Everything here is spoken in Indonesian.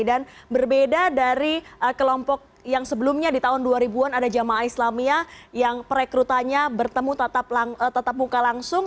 dan berbeda dari kelompok yang sebelumnya di tahun dua ribu an ada jamaah islamiyah yang perekrutannya bertemu tetap muka langsung